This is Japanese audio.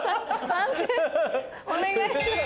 判定お願いします。